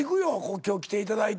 今日来ていただいて。